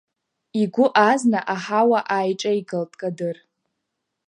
Игәы азна аҳауа ааиҿеигалт Кадыр.